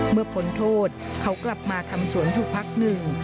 พ้นโทษเขากลับมาทำสวนถูกพักหนึ่ง